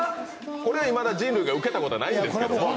これは、いまだ人類がウケたことないんですから。